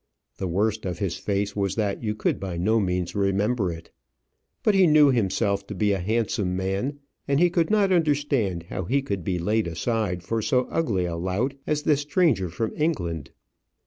The worst of his face was that you could by no means remember it. But he knew himself to be a handsome man, and he could not understand how he could be laid aside for so ugly a lout as this stranger from England.